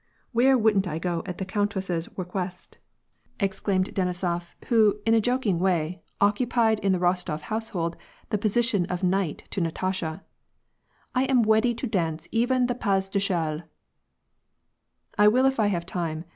" Where wouldn't I go at the countess's wequest !" ex WAR AND PEACE, 47 [ claimed Denisof, who, in a joking way, occapied in the Rostof f household the position of knight to Natasha. '' I am weady to jlance even the pcu de chdle /" V* I will if I have time.